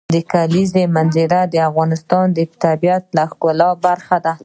د کلیزو منظره د افغانستان د طبیعت د ښکلا برخه ده.